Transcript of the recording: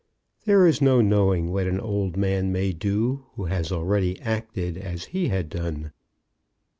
There is no knowing what an old man may do who has already acted as he had done.